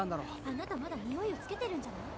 あなたまだにおいをつけてるんじゃない？